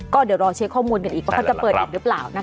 ก็เดี๋ยวรอเช็คข้อมูลกันอีกว่าเขาจะเปิดอีกหรือเปล่านะคะ